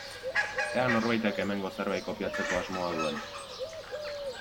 Ea norbaitek hemengo zerbait kopiatzeko asmoa duen.